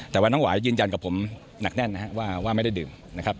แต่ว่าน้องหวายยืนยันกับผมหนักแน่นว่าไม่ได้ดื่ม